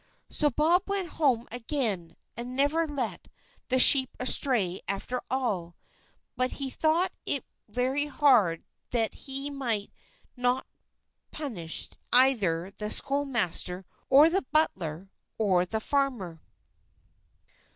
So Bob went home again and never let the sheep astray after all, but he thought it very hard that he might not punish either the schoolmaster, or the butler, or the farmer.